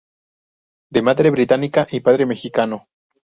De madre británica y padre mexicano.